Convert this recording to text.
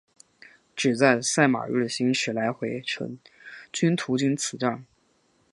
只在赛马日行驶来回程均途经此站。